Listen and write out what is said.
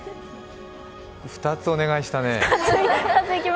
２つお願いしたね。